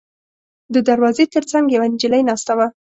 د دروازې تر څنګ یوه نجلۍ ناسته وه.